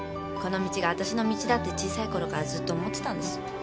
この道が私の道だって小さいころからずっと思ってたんです。